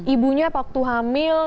ibunya waktu hamil